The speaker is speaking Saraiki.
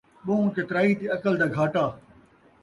ٻہوں چترائی تے عقل دا گھاٹا